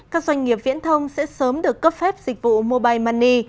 các doanh nghiệp viễn thông sẽ sớm được cấp phép dịch vụ mobile money